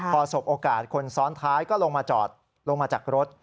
พอสบโอกาสคนซ้อนท้ายก็ลงมาจอดลงมาจากรถ